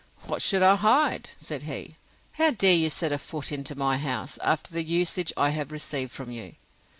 —What should I hide? said he. How dare you set a foot into my house, after the usage I have received from you?